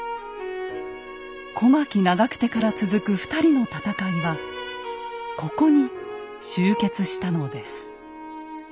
小牧・長久手から続く２人の戦いはここに終結したのです。